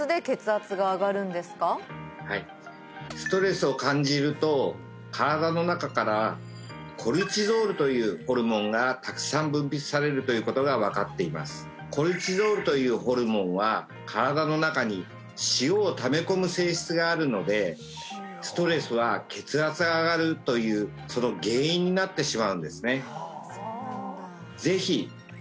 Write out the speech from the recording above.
あのストレスを感じると身体の中からコルチゾールというホルモンがたくさん分泌されるということが分かっていますコルチゾールというホルモンは身体の中に塩をため込む性質があるのでストレスは血圧が上がるというその原因になってしまうんですね